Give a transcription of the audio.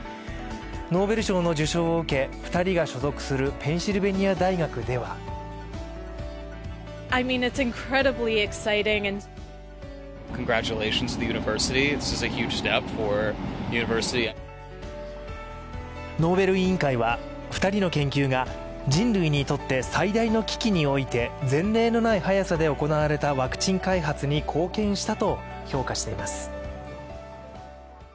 ノーベル賞の受賞を受け、２人が所属するペンシルベニア大学ではノーベル委員会は、２人の研究が人類にとって最大の危機において前例のない速さで行われたワクチン開発に貢献したと評価しています。